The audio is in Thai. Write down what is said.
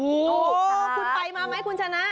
โอ้โหคุณไปมาไหมคุณชนะ